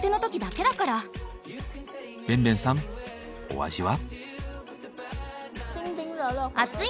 お味は？